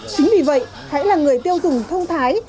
chính vì vậy hãy là người tiêu dùng thông thái